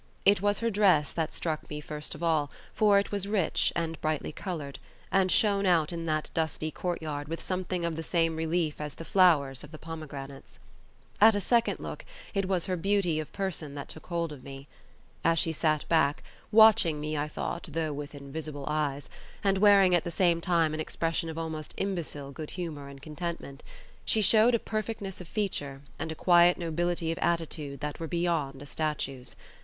It was her dress that struck me first of all, for it was rich and brightly coloured, and shone out in that dusty courtyard with something of the same relief as the flowers of the pomegranates. At a second look it was her beauty of person that took hold of me. As she sat back—watching me, I thought, though with invisible eyes—and wearing at the same time an expression of almost imbecile good humour and contentment, she showed a perfectness of feature and a quiet nobility of attitude that were beyond a statue's.